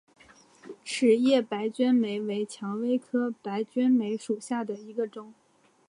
齿叶白鹃梅为蔷薇科白鹃梅属下的一个种。